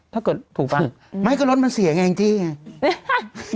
ถ้าเกิดถูกป่ะไม่ก็รถมันเสียอย่างงี้ไง